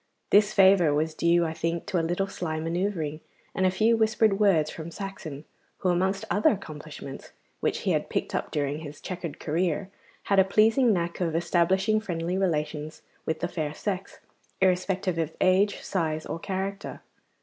This favour was due, I think, to a little sly manoeuvring and a few whispered words from Saxon, who amongst other accomplishments which he had picked up during his chequered career had a pleasing knack of establishing friendly relations with the fair sex, irrespective of age, size, or character.